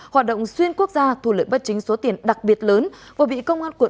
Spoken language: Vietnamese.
hoạt động xuyên quốc gia thu lợi bất chính số tiền đặc biệt lớn